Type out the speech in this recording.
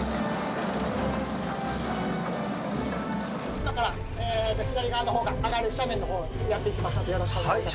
今から左側が上がる斜面のほうに行きますので、よろしくお願いいたします。